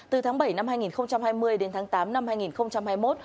từ tháng bảy năm hai nghìn hai mươi đến tháng tám năm hai nghìn hai mươi một